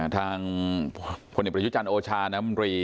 ทางผลิตประชุจรรย์โอชานำรี